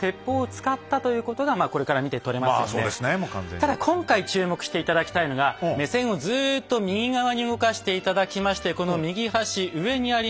ただ今回注目して頂きたいのが目線をずっと右側に動かして頂きましてこの右端上にあります